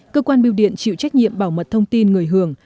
cơ quan biêu điện chịu trách nhiệm bảo mật thông tin người hưởng